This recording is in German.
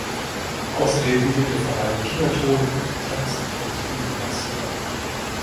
Außerdem bietet der Verein Kinderturnen und -tanzen, sowie Gymnastik an.